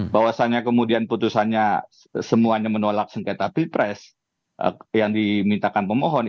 bahwasannya kemudian putusannya semuanya menolak sengketa pilpres yang dimintakan pemohon